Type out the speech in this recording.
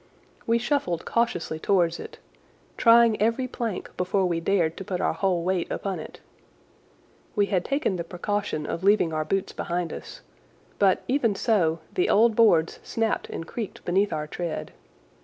We shuffled cautiously towards it, trying every plank before we dared to put our whole weight upon it. We had taken the precaution of leaving our boots behind us, but, even so, the old boards snapped and creaked beneath our tread.